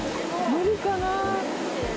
無理かな。